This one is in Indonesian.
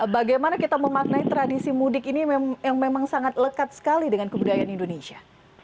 bagaimana kita memaknai tradisi mudik ini yang memang sangat lekat sekali dengan kebudayaan indonesia